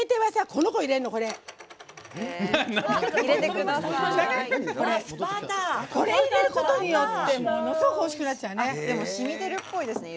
これ入れることによってものすごくおいしくなっちゃうね。